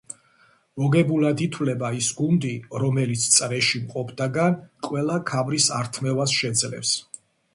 მოგებულად ითვლება ის გუნდი, რომელიც წრეში მყოფთაგან ყველა ქამრის ართმევას შეძლებს.